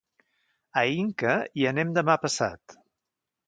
A Inca hi anem demà passat.